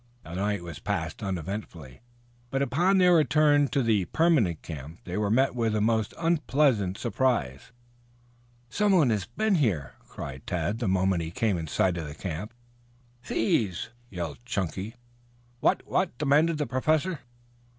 The night was passed uneventfully, but upon their return to the permanent camp they were met with a most unpleasant surprise. "Someone has been here," cried Tad the moment he came in sight of the camp. "Thieves!" yelled Chunky. "What what?" demanded the Professor.